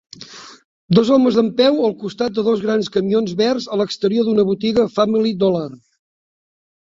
Dos homes dempeus al costat de dos grans camions verds a l'exterior d'una botiga Family Dollar.